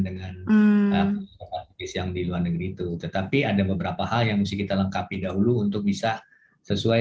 dengan yang diluar negeri itu tetapi ada beberapa hal yang kita lengkapi dahulu untuk bisa sesuai